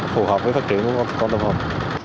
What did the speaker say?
phù hợp với phát triển của con tôm hùm